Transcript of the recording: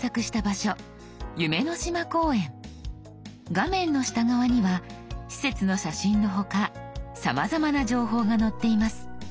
画面の下側には施設の写真の他さまざまな情報が載っています。